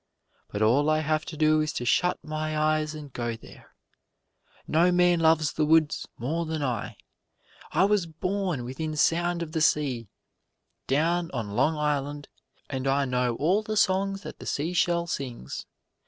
But all I have to do is to shut my eyes and go there. No man loves the woods more than I I was born within sound of the sea down on Long Island, and I know all the songs that the seashell sings.